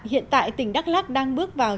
hiện tại tỉnh đắk lắc đang bước vào